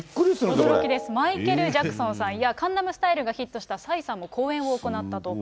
マイケル・ジャクソンさんや、江南スタイルがヒットしたサイさんも公演を行ったと。